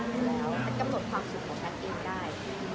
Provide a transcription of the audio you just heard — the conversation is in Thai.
แล้วแพทย์กำหนดความสุขของแพทย์เองได้